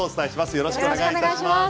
よろしくお願いします。